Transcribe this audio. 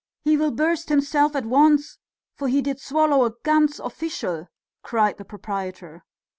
He will burst himself at once, for he did swallow a ganz official!" cried the proprietor.